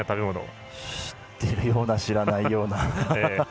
知ってるような知らないような。